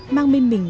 mang bên mình